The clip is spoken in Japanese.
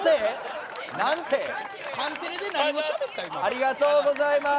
ありがとうございます！